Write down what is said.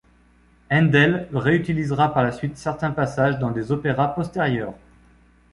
Haendel réutilisera par la suite certains passages dans des opéras postérieurs.